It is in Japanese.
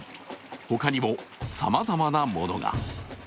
他にも、さまざまなものが。